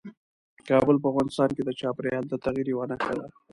کابل په افغانستان کې د چاپېریال د تغیر یوه نښه ده.